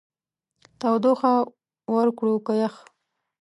تودوخه ورکړو که يخ؟